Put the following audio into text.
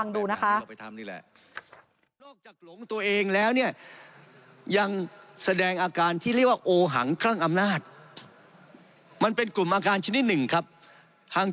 เดี๋ยวลองฟังดูนะคะ